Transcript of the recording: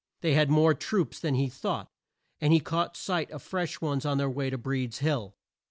They had more troops than he thought, and he caught sight of fresh ones on their way to Breed's Hill.